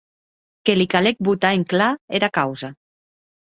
Que li calec botar en clar era causa.